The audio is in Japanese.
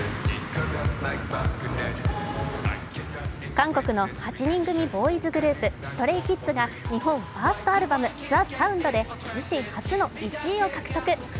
韓国の８人組ボーイズグループ、ＳｔｒａｙＫｉｄｓが日本ファーストアルバム「ＴＨＥＳＯＵＮＤ」で自身初の１位を獲得。